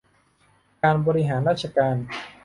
การบริหารราชการ